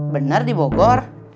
benar di bogor